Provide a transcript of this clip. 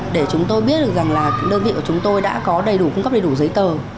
để chúng tôi biết được rằng là đơn vị của chúng tôi đã có đầy đủ cung cấp đầy đủ giấy tờ